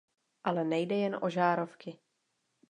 Ale nejde jen o žárovky.